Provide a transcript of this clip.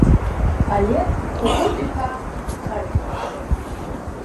Олег Хәыхәыт-иԥа Бӷажәба.